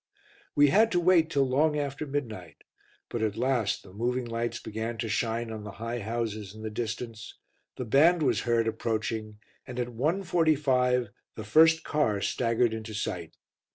We had to wait till long after midnight, but at last the moving lights began to shine on the high houses in the distance, the band was heard approaching, and at 1.45 the first car staggered into sight.